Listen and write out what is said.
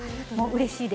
うれしい。